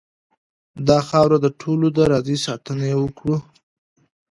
داخاوره دټولو ډ ه ده راځئ ساتنه یې وکړو .